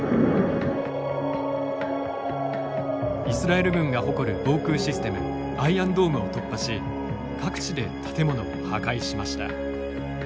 イスラエル軍が誇る防空システムアイアンドームを突破し各地で建物を破壊しました。